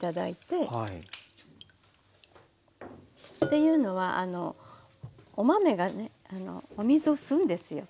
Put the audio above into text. というのはお豆がお水を吸うんですよ。